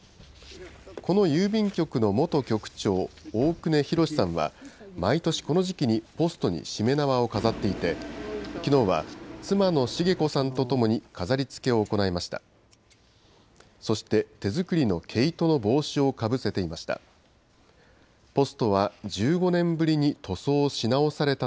この郵便局の元局長、大久根宏さんは、毎年、この時期にポストにしめ縄を飾っていて、きのうは妻の茂子さんと共に飾り付けを行いました。